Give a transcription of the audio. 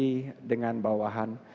komunikasi dengan bawahan